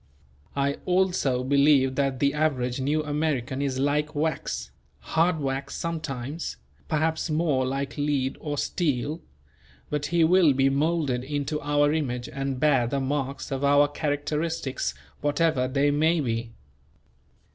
I also believe that the average New American is like wax, hard wax sometimes, perhaps more like lead or steel; but he will be moulded into our image and bear the marks of our characteristics whatever they may be.